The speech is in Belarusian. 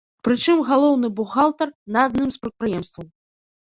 Пры чым галоўны бухгалтар на адным з прадпрыемстваў.